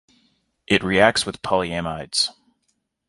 It reacts with polyamides.